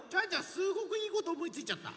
すごくいいことおもいついちゃった。